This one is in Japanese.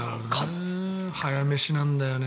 早飯なんだよね。